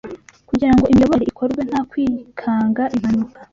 kugira ngo imiyoborere ikorwe nta kwikanga impanuka